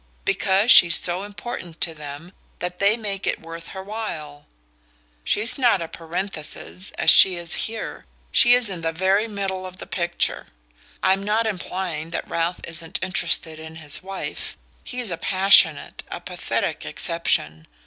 Because she's so important to them that they make it worth her while! She's not a parenthesis, as she is here she's in the very middle of the picture. I'm not implying that Ralph isn't interested in his wife he's a passionate, a pathetic exception.